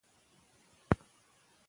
باید د چاپیریال پاکوالي ته پوره پام وکړو.